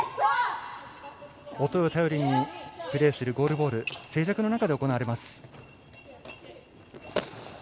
音を頼りにプレーするゴールボール静寂の中で行われます。